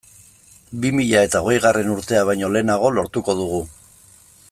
Bi mila eta hogeigarren urtea baino lehenago lortuko dugu.